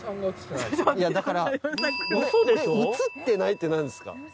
だから写ってないって何ですか。